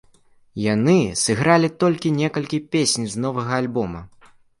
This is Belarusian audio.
Яны сыгралі толькі некалькі песень з новага альбома.